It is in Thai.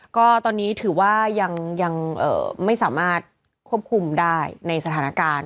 ก็ตอนนี้ถือว่ายังไม่สามารถควบคุมได้ในสถานการณ์